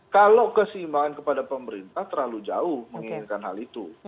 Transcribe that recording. kalau keseimbangan kepada pemerintah terlalu jauh menginginkan hal itu